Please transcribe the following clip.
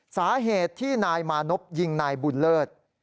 สาเหตุที่นายมานพยิงนายบุญเลิศ